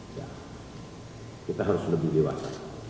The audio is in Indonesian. ya kita harus lebih dewasa